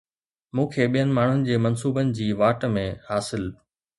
مون کي ٻين ماڻهن جي منصوبن جي واٽ ۾ حاصل